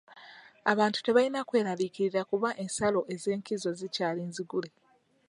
Abantu tebalina kweraliikirira kuba ensalo ez'enkizo zikyali nzigule.